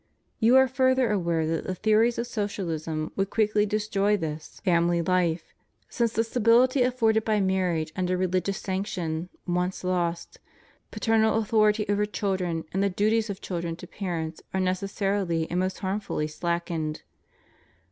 You are further aware that the theories of socialism would quickly destroy this * Wisd. vL 3 aeqq. ' Acts v. 29. SOCIALISM, COMMUNISM, NIHILISM. 29 family life, since the stability afforded by marriage under religious sanction once lost, paternal authority over children and the duties of children to parents are neces sarily and most harmfully slackened.